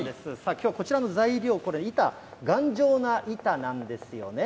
きょうはこちらの材料、板、頑丈な板なんですよね。